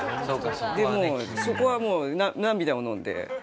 でもうそこはもう涙をのんで。